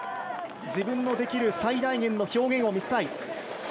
自分のできる最大限の表現を見せたい。